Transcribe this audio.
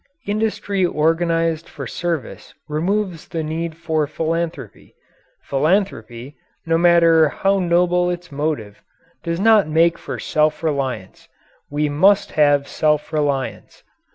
Industry organized for service removes the need for philanthropy. Philanthropy, no matter how noble its motive, does not make for self reliance. We must have self reliance.